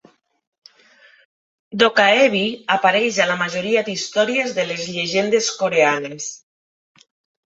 Dokkaebi apareix a la majoria d'històries de les llegendes coreanes.